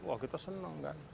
wah kita seneng kan